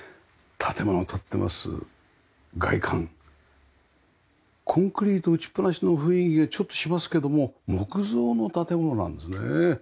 外観コンクリート打ちっぱなしの雰囲気がちょっとしますけども木造の建物なんですね。